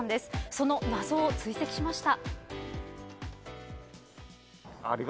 その謎を追跡しました。